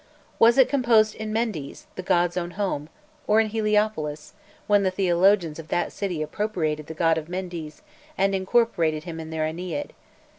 [*] Was it composed in Mendes, the god's own home, or in Heliopolis, when the theologians of that city appropriated the god of Mendes and incorporated him in their Ennead?